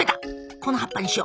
この葉っぱにしよ！